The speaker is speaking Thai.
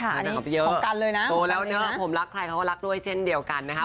ของกันเลยนะของกันเนี่ยนะโหแล้วเนอะผมรักใครเขาก็รักด้วยเส้นเดียวกันนะคะ